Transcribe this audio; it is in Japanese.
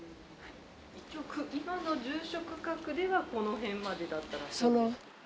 一応今の住所区画ではこの辺までだったらしい。